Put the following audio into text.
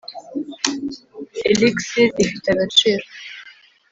elixir ifite agaciro;